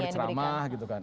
lalu berceramah gitu kan